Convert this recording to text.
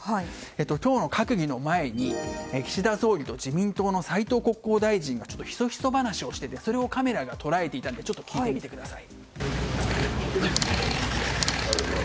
党の閣議の前に岸田総理と自民党の斉藤国交大臣がひそひそ話をしていてそれをカメラが捉えていたのでちょっと聞いてみてください。